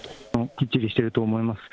きっちりしていると思います。